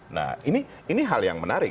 nah ini hal yang menarik